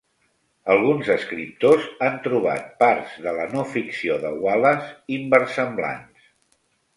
Alguns escriptors han trobat parts de la no ficció de Wallace inversemblants.